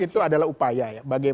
minimum itu adalah upaya ya